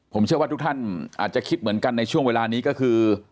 ผมเชื่อว่าทุกท่านอาจจะคิดเหมือนกันในช่วงเวลานี้ก็คือ